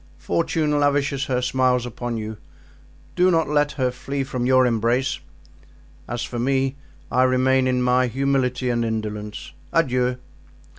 Fortune lavishes her smiles upon you; do not let her flee from your embrace. As for me, I remain in my humility and indolence. Adieu!"